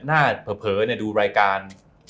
หน้าเพลิอนี่ดูรายการ